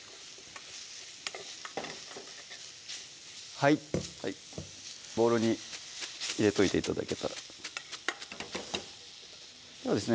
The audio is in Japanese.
はいボウルに入れといて頂けたらではですね